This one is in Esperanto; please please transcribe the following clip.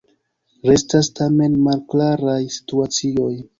Restas tamen malklaraj situacioj.